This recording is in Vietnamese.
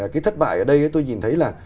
cái thất bại ở đây tôi nhìn thấy là